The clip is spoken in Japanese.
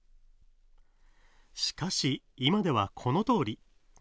しかし今ではこのとおり。